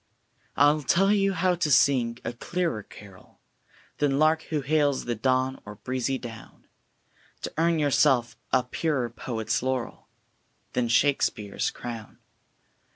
I'll tell you how to sing a clearer carol Than lark who hails the dawn or breezy down To earn yourself a purer poet's laurel Than Shakespeare's crown.